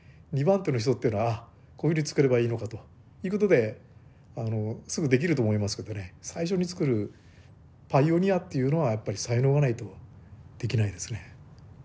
２番手の人っていうのはこういうふうに作ればいいのかということですぐできると思いますけどね最初に作るパイオニアというのはやっぱり才能がないとできないですね。